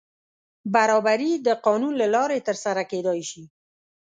برابري د قانون له لارې تر سره کېدای شي.